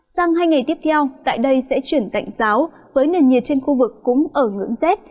sang hai ngày tiếp theo tại đây sẽ chuyển tạnh giáo với nền nhiệt trên khu vực cũng ở ngưỡng rét